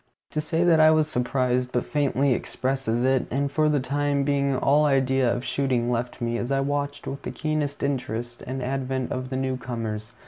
To say that I was surprised but faintly expresses it, and for the time being all idea of shooting left me, as I watched with keenest interest the advent of the new comers.